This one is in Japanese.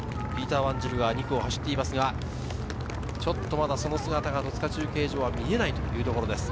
ワンジルが２区を走っていますが、ちょっとまだその姿は戸塚中継所では見えないというところです。